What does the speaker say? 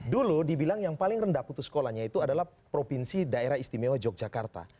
dulu dibilang yang paling rendah putus sekolahnya itu adalah provinsi daerah istimewa yogyakarta